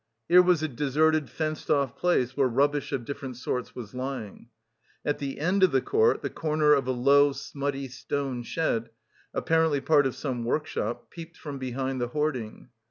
Here was a deserted fenced off place where rubbish of different sorts was lying. At the end of the court, the corner of a low, smutty, stone shed, apparently part of some workshop, peeped from behind the hoarding.